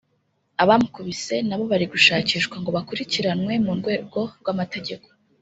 abamukubise nabo bari gushakishwa ngo bakurikiranwe mu rwego rw’amategeko